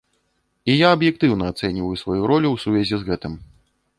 І я аб'ектыўна ацэньваю сваю ролю ў сувязі з гэтым.